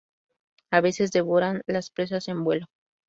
A veces, devoran las presas en vuelo.